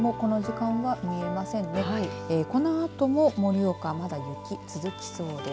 このあとも盛岡まだ雪、続きそうです。